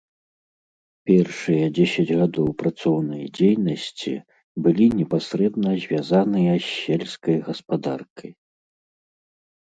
Першыя дзесяць гадоў працоўнай дзейнасці былі непасрэдна звязаныя з сельскай гаспадаркай.